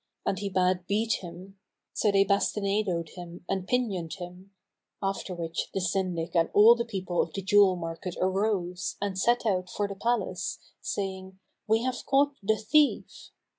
And he bade beat him. So they bastinadoed him and pinioned him; after which the Syndic and all the people of the jewel market arose and set out for the palace, saying, "We have caught the thief."